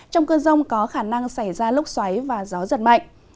trong cơn rông có khả năng xảy ra lốc xoáy và gió giật mạnh